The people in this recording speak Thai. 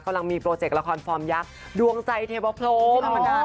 กำลังมีโปรเจกต์ละครฟอร์มยักษ์ดวงใจเทวพรม